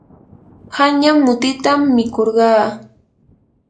qanyan mutitam mikurqaa.